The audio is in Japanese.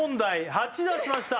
８出しました